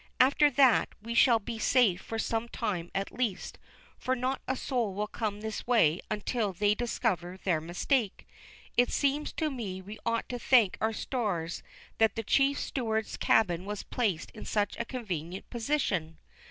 After that we shall be safe for some time at least, for not a soul will come this way until they discover their mistake. It seems to me we ought to thank our stars that the chief steward's cabin was placed in such a convenient position.